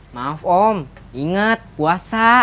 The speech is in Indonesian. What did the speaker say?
maaf om ingat puasa